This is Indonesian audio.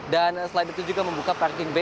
dan selain itu juga membuka perang